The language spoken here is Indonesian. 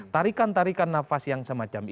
tarikan tarikan nafas yang semacam ini